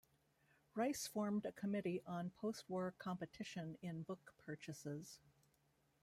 Rice formed a Committee on Postwar Competition in Book Purchases.